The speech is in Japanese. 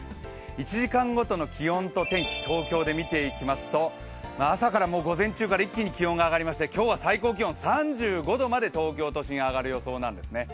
１時間ごとの気温と天気、東京で見ていきますと朝から午前中から一気に気温が上がりまして今日は最高気温３５度まで東京都心、上がる予想なんですね。